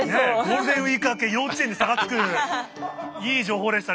ゴールデンウイーク明け幼稚園で差がつくいい情報でしたね